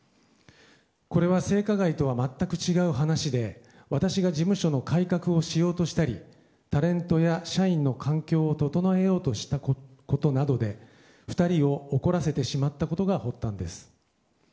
これは性加害とは全く違う話で私が事務所の改革をしようとしたりタレントや社員の環境を整えようとしたことなどで２人を怒らせてしまったことが発端です。